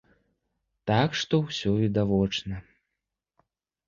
Так што ўсё відавочна.